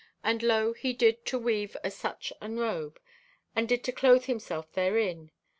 And lo, he did to weave o' such an robe, and did to clothe himself therein.